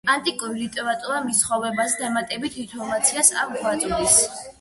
ანტიკური ლიტერატურა მის ცხოვრებაზე დამატებით ინფორმაციას არ გვაწვდის.